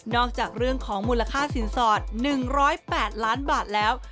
จากเรื่องของมูลค่าสินสอด๑๐๘ล้านบาทแล้ว